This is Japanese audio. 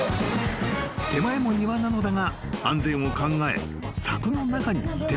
［手前も庭なのだが安全を考え柵の中にいてほしい］